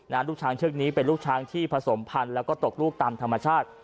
ลูกช้างเชือกนี้เป็นลูกช้างที่ผสมพันธุ์แล้วก็ตกลูกตามธรรมชาติ